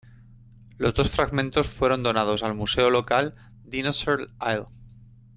Los dos fragmentos fueron donados aL museo local Dinosaur Isle.